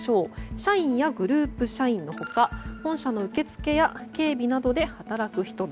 社員やグループ社員の他本社の受付や警備などで働く人々。